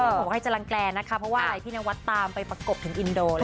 ไม่ต้องห่วงให้จรังแกรนะคะเพราะว่าพี่นวัดตามไปประกบถึงอินโดนะคะ